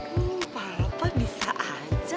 sumpah lopah bisa aja